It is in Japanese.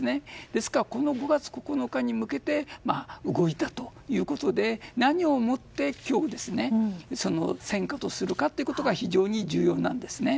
ですから、この５月９日に向けて動いたということで何をもって今日戦果とするかということが非常に重要なんです。